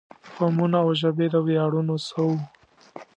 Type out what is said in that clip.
قومونه او ژبې د ویاړونو څه وو.